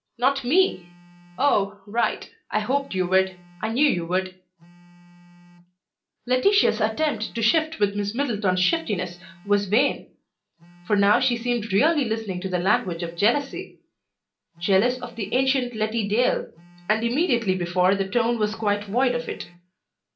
"Him not me! Oh! right! I hoped you would; I knew you would." Laetitia's attempt to shift with Miss Middleton's shiftiness was vain; for now she seemed really listening to the language of Jealousy: jealous of the ancient Letty Dale and immediately before the tone was quite void of it.